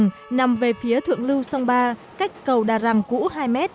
cầu vượt sông đà răng nằm về phía thượng lưu sông ba cách cầu đà răng cũ hai m